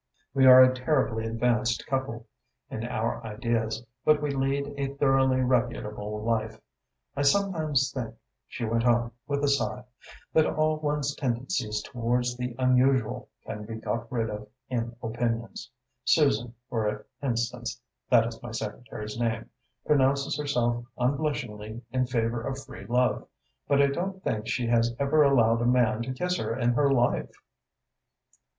We are a terribly advanced couple, in our ideas, but we lead a thoroughly reputable life. I sometimes think," she went on, with a sigh, "that all one's tendencies towards the unusual can be got rid of in opinions. Susan, for instance that is my secretary's name pronounces herself unblushingly in favour of free love, but I don't think she has ever allowed a man to kiss her in her life."